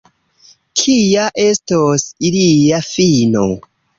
Kia estos ilia fino?